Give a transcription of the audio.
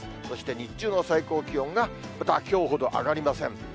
そして日中の最高気温がきょうほど上がりません。